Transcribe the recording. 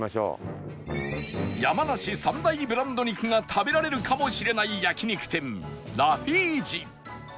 山梨３大ブランド肉が食べられるかもしれない焼肉店ラフィージ